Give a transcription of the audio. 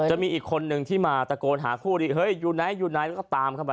จะมีอีกคนนึงที่มาตะโกนหาคู่ดีเฮ้ยอยู่ไหนอยู่ไหนแล้วก็ตามเข้าไป